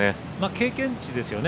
経験値ですよね。